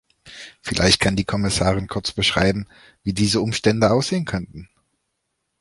Vielleicht kann die Kommissarin kurz beschreiben, wie diese Umstände aussehen könnten.